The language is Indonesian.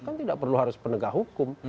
kan tidak perlu harus penegak hukum